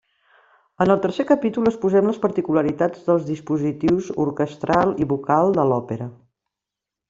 En el tercer capítol exposem les particularitats dels dispositius orquestral i vocal de l'òpera.